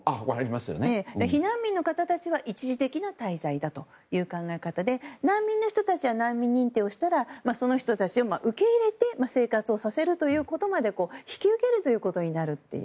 避難民の方たちは一時的な滞在だという考え方で難民の人たちは難民認定をしたらその人たちを受け入れて生活をさせるということまで引き受けるということになるという。